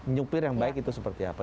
nyupir yang baik itu seperti apa